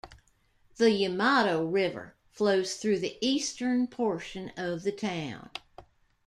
The Yamato River flows through the eastern portion of the town.